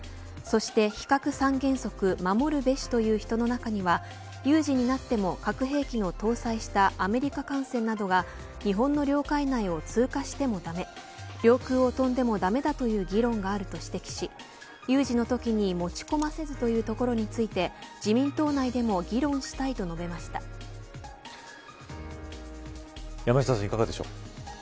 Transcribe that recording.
そして、非核三原則守るべしという人の中には有事になっても核兵器を搭載したアメリカ艦船などが日本の領海内を通過しても領空を飛んでもだめだという議論があると指摘し有事のときに持ち込ませずというところについて自民党内でも議論したい山下さん、いかがでしょう。